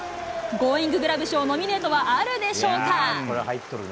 ゴーインググラブ賞ノミネートはあるでしょうか？